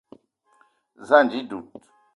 Za ànji dud